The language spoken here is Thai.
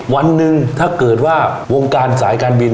วันหนึ่งถ้าเกิดว่าวงการสายการบิน